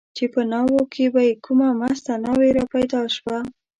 چې په ناوو کې به چې کومه مسته ناوې را پیدا شوه.